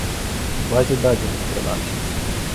У базе дадзеных, прынамсі.